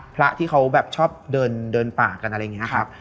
พระที่เขาแบบชอบเดินป่ากันอะไรอย่างนี้ครับ